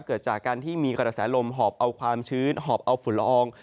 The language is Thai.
เกิดจากการที่มีกระแสลมหอบเอาความชื้นหอบเอาฝุ่นละออง